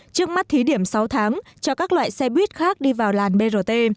trước mắt thí điểm sáu tháng cho các loại xe buýt khác đi vào làn brt